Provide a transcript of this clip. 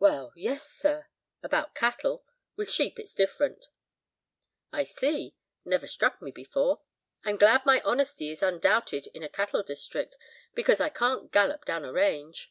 "Well, yes, sir—about cattle; with sheep it's different." "I see—never struck me before. I'm glad my honesty is undoubted in a cattle district, because I can't gallop down a range.